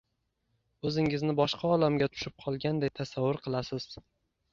O‘zingizni boshqa olamga tushib qolganday tasavvur qilasiz.